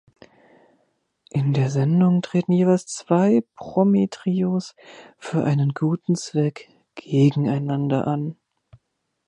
In der Sendung treten jeweils zwei Promi-Trios für einen guten Zweck gegeneinander an.